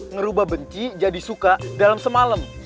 ngerubah benci jadi suka dalam semalam